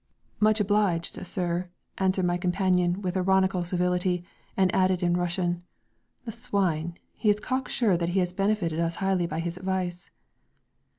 "Much obliged, sir!" answered my companion with ironical civility, and added in Russian: "The swine! He is cock sure that he has benefited us highly by his advice."